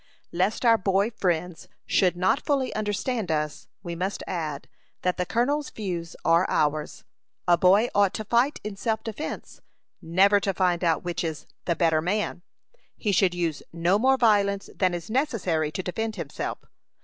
Lest our boy friends should not fully understand us, we must add, that the colonel's views are ours. A boy ought to fight in self defence; never to find out which is "the better man." He should use no more violence than is necessary to defend himself.